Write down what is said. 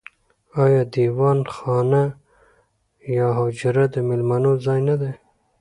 آیا دیوان خانه یا حجره د میلمنو ځای نه دی؟